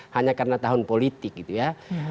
hanya karena tahun politik gitu ya